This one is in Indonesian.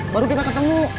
baru kita ketemu